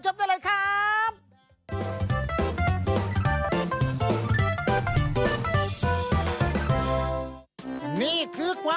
สีสันข่าวชาวไทยรัฐมาแล้วครับ